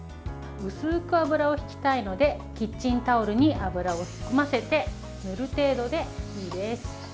薄く油をひきたいのでキッチンタオルに油を含ませて塗る程度でいいです。